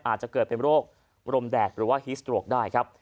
อาจจะเกิดเป็นโรครมแดดหรือว่าฮีสโตรกได้ครับ